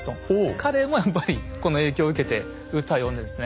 彼もやっぱりこの影響を受けて歌を詠んでるんですね。